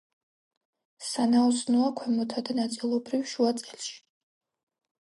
სანაოსნოა ქვემოთა და ნაწილობრივ შუა წელში.